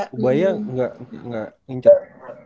surabaya gak gak incer